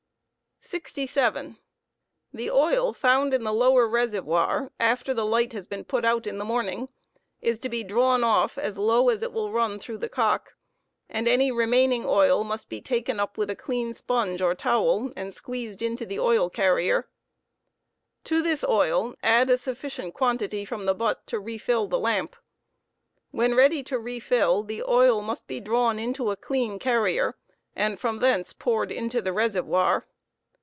.. 67. The oil found in the lower reservoir after the light has been put out in the morning is to be drawn off as low as it will run through' the cock, and any remaining oil must be taken, up with a clean sponge or towel and squeezed, into the oil carrier* To this oil add a sufficient quantity from the butt to refill the lamp. When ready to re fill, the oil must be drawn into a clean carrier and from thence poured into the reservoir.